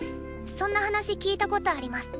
そんな話聞いたことあります。